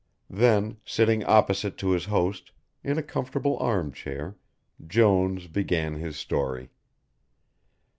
Then, sitting opposite to his host, in a comfortable armchair, Jones began his story.